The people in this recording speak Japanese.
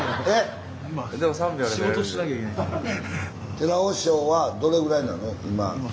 寺尾翔はどれぐらいなの今。